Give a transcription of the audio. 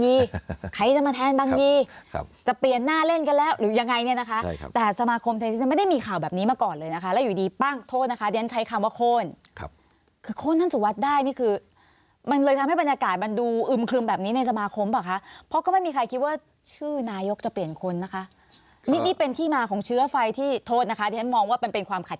กีฬาเก่านักกีฬาเก่านักกีฬาเก่านักกีฬาเก่านักกีฬาเก่านักกีฬาเก่านักกีฬาเก่านักกีฬาเก่านักกีฬาเก่านักกีฬาเก่านักกีฬาเก่านักกีฬาเก่านักกีฬาเก่านักกีฬาเก่านักกีฬาเก่านักกีฬาเก่านักกีฬาเก่านัก